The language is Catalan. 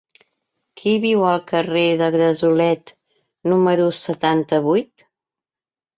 Qui viu al carrer de Gresolet número setanta-vuit?